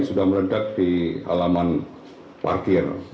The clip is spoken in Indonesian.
sudah meledak di halaman parkir